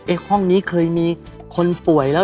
ห้องนี้เคยมีคนป่วยแล้ว